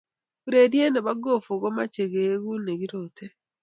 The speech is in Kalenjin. Urerie ne bo Gofu komochei keeku ne kirotei.